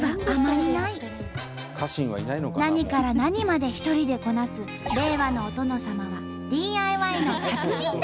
何から何まで一人でこなす令和のお殿様はＤＩＹの達人だった。